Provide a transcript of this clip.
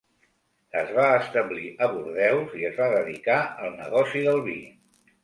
Es va establir a Bordeus i es va dedicar al negoci del vi.